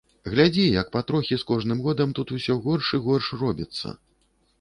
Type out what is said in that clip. Глядзі, як патрохі з кожным годам тут усё горш і горш робіцца.